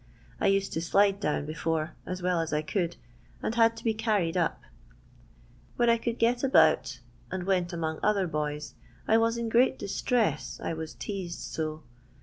I used to slide down before, as well as I could, and had to be carried up. When I could get about and went among other boys, I was in great distress, I was teased so.